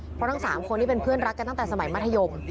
เพราะทั้ง๓คนที่เป็นเพื่อนรักกันตั้งแต่สมัยมัธยม